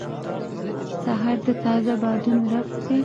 سهار د تازه بادونو رقص دی.